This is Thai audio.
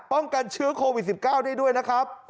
ป้องกันเชื้อโควิด๑๙ได้ด้วยนะครับ